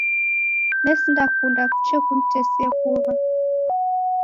Nesinda kunda kuche kunitesia kuwa.